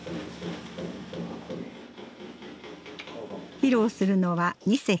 披露するのは２席。